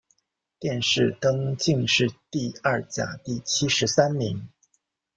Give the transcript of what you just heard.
殿试登进士第二甲第七十三名。